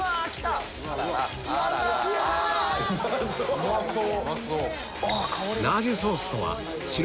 うまそう！